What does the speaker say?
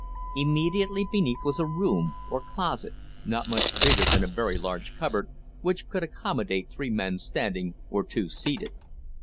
Immediately beneath was a room, or closet, not much bigger than a very large cupboard, which could accommodate three men standing, or two seated.